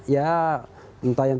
ya entah yang